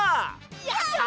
やった！